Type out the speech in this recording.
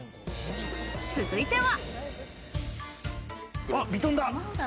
続いては。